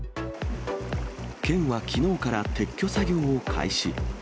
県はきのうから撤去作業を開始。